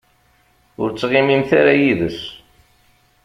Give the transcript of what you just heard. Ur ttɣimimt ara yid-s.